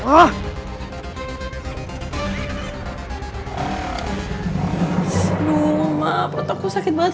aduh maaf ototku sakit banget